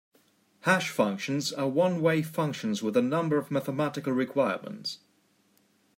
Hash functions are one-way functions with a number of mathematical requirements.